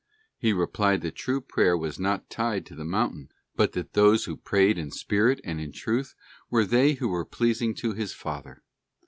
He replied that true prayer was not tied to the mountain, but that those who prayed in spirit and in truth were they who were pleasing to His Father.